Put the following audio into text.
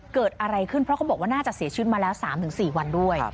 เกิดอะไรขึ้นเพราะเขาบอกว่าน่าจะเสียชีวิตมาแล้ว๓๔วันด้วย